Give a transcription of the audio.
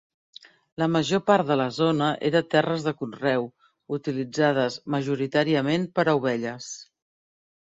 La major part de la zona era terres de conreu, utilitzades majoritàriament per a ovelles.